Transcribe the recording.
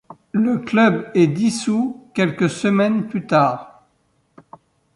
Le club est dissous quelques semaines plus tard.